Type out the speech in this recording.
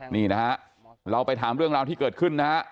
นี่นะฮะเราไปถามเรื่องราวที่เกิดขึ้นนะฮะ